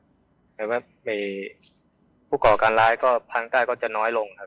หมายความว่าผู้ก่อการร้ายทางใต้ก็จะน้อยลงครับ